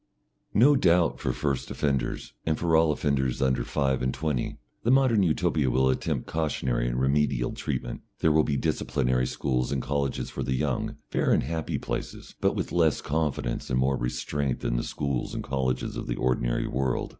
No doubt for first offenders, and for all offenders under five and twenty, the Modern Utopia will attempt cautionary and remedial treatment. There will be disciplinary schools and colleges for the young, fair and happy places, but with less confidence and more restraint than the schools and colleges of the ordinary world.